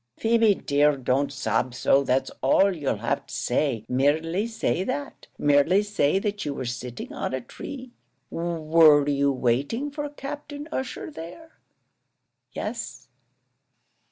"Feemy, dear, don't sob so! That's all you'll have to say. Merely say that merely say that you were sitting on a tree. Were you waiting for Captain Ussher there?" "Yes."